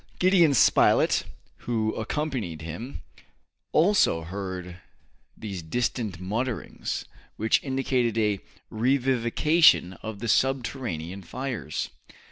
Gideon Spilett, who accompanied him, also heard these distant mutterings, which indicated a revivification of the subterranean fires.